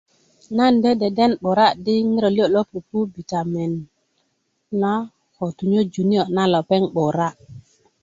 nan de deden 'bura di ŋiro liyo' lo pupu bitamen na ko tunyöju niyo' na lepeŋ 'bura'